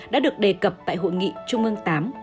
đã được đề cập tại hội nghị trung ương viii